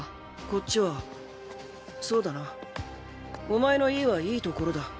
こっちはそうだなお前の家はいい所だ。